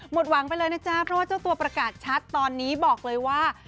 หมดหวังไปเลยนะจ๊ะเพราะว่าเจ้าตัวประกาศชัดตอนนี้บอกเลยว่า